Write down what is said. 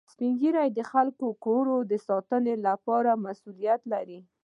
سپین ږیری د خپلو کورو د ساتنې مسئولیت لري